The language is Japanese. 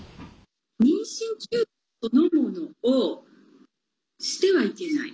妊娠中絶そのものをしてはいけない。